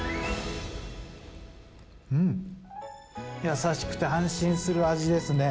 うん、優しくて安心する味ですね。